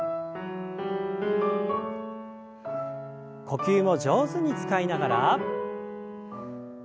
呼吸を上手に使いながら。